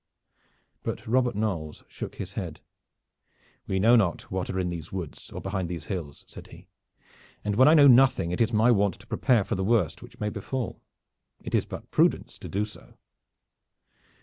But Robert Knolles shook his head. "We know not what are in these woods, or behind these hills," said he, "and when I know nothing it is my wont to prepare for the worst which may befall. It is but prudence so to do."